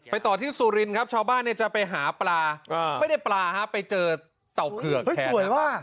ไปต่อที่สูรินครับชาวบ้านจะไปหาปลาไม่ได้ปลาไปเจอเตาเผือกแทน